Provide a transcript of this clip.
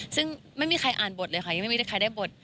ซึ่งไม่มีใครอ่านบทเลยค่ะยังไม่มีใครได้บท